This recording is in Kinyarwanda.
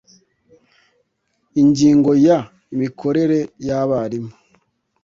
Ingingo ya Imikorere y abarimu